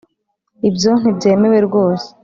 ibyo ntibyemewe rwose.